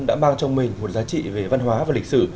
đã mang trong mình một giá trị về văn hóa và lịch sử